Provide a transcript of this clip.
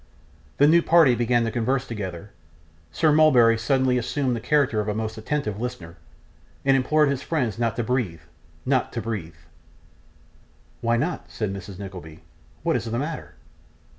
The new party beginning to converse together, Sir Mulberry suddenly assumed the character of a most attentive listener, and implored his friends not to breathe not to breathe. 'Why not?' said Mrs. Nickleby. 'What is the matter?